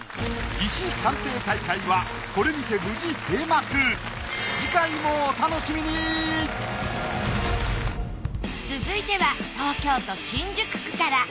石鑑定大会はこれにて無事閉幕続いては東京都新宿区から。